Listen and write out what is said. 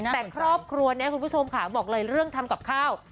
แต่ครอบครัวนี้คุณผู้ชมค่ะบอกเลยเรื่องทำกับข้าว